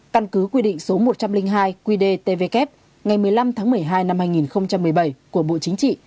căn cứ quy định số một trăm linh hai qdtvk ngày một mươi năm tháng một mươi hai năm hai nghìn một mươi bảy của bộ chính trị